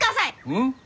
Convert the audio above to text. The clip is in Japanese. うん？